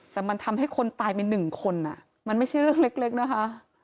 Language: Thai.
แต่มันทำให้คนตายไปหนึ่งคนมันไม่ใช่เรื่องเล็กนะคะ